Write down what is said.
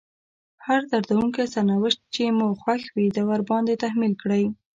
هر دردونکی سرنوشت چې مو خوښ وي ورباندې تحميل کړئ.